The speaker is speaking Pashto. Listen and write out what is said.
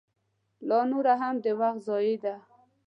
لا نوره هم د وخت ضایع ده.